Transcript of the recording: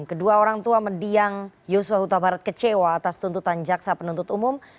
kedua orang tua mendiang yosua huta barat kecewa atas tuntutan jaksa penuntut umum